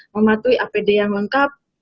mematuhi apd yang lengkap